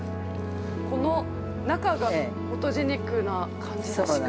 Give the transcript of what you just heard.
この中がフォトジェニックな感じらしく。